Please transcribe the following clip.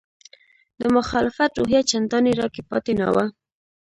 د مخالفت روحیه چندانې راکې پاتې نه وه.